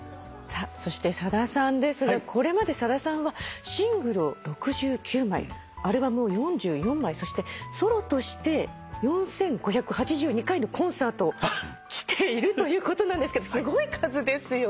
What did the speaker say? そしてさださんですがこれまでさださんはシングルを６９枚アルバムを４４枚そしてソロとして４，５８２回のコンサートをしているということなんですがすごい数ですよね。